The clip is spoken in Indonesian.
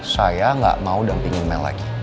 saya gak mau dampingin mel lagi